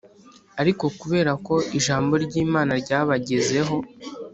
Ariko kubera ko ijambo ry’imana ryabagezeho